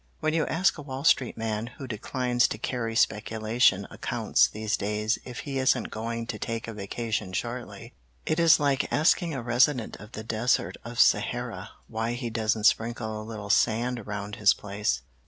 When you ask a Wall Street man who declines to carry speculation accounts these days if he isn't going to take a vacation shortly, it is like asking a resident of the Desert of Sahara why he doesn't sprinkle a little sand around his place.